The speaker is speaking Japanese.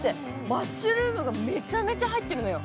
マッシュルームがめちゃめちゃ入ってるのよ。